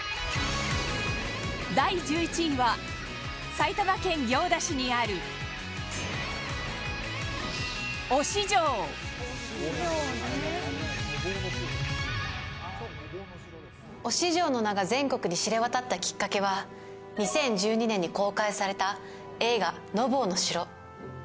第１１位は埼玉県行田市にある忍城の名が全国に知れ渡ったきっかけは２０１２年に公開された映画『のぼうの城』。